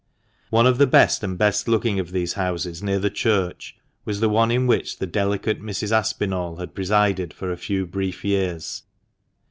One of the best, and best looking of these houses, near the church, was the one in which the delicate Mrs. Aspinall had presided for a few brief years.